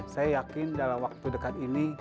saya yakin dalam waktu dekat ini